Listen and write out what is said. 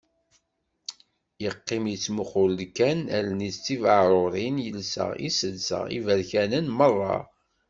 Yeqqim yettmuqul-d kan, Allen-is d tibaɛrurin, yelsa iselsa iberkanen merra.